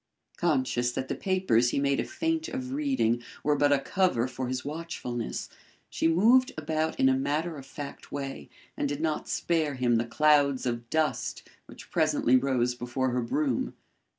Conscious that the papers he made a feint of reading were but a cover for his watchfulness, she moved about in a matter of fact way and did not spare him the clouds of dust which presently rose before her broom.